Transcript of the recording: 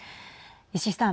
石井さん。